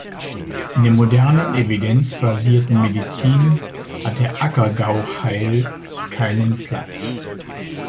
In der modernen evidenzbasierten Medizin hat der Acker-Gauchheil keinen Platz.